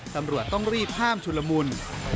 ตำรวจต้องรีบห้ามชุลมุน